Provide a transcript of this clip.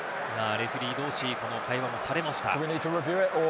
レフェリー同士、会話もされました。